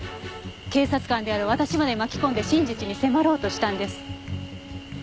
警察官である私まで巻き込んで真実に迫ろうとしたんです。